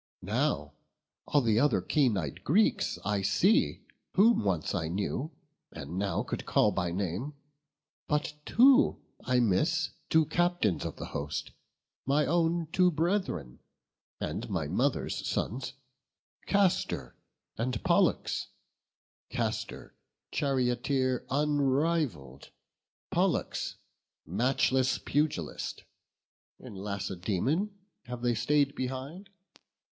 Now all the other keen ey'd Greeks I see, Whom once I knew, and now could call by name; But two I miss, two captains of the host, My own two brethren, and my mother's sons, Castor and Pollux; Castor, charioteer Unrivalled, Pollux, matchless pugilist. In Lacedaemon have they stay'd behind?